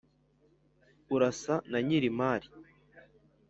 Urasa na nyiri mari